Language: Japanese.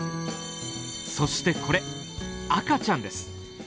そしてこれ赤ちゃんです。